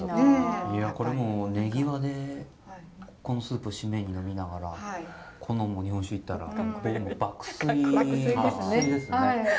いやこれもう寝際でこのスープを〆に飲みながら日本酒いったらもう爆睡ですね。